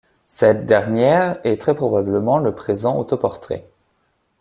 Cette dernière est très probablement le présent autoportrait.